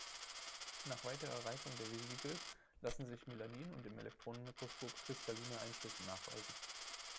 Nach weiterer Reifung der Vesikel lassen sich Melanin und im Elektronenmikroskop kristalline Einschlüsse nachweisen.